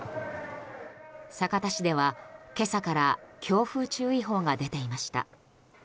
酒田市では今朝から強風注意報が出ていました。